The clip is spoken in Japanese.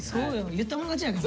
言ったもん勝ちやから。